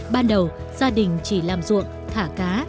ban đầu gia đình chỉ làm ruộng thả cá